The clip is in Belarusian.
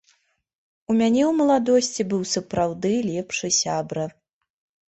У мяне ў маладосці быў сапраўды лепшы сябра.